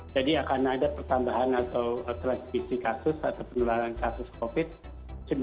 jadi akan ada pertambahan atau klasifikasi kasus atau penularan kasus covid sembilan belas di kpps